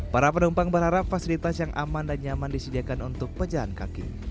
para penumpang berharap fasilitas yang aman dan nyaman disediakan untuk pejalan kaki